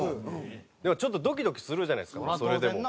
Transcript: でもちょっとドキドキするじゃないですかそれでも。